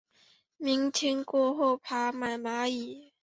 明天过后爬满蚂蚁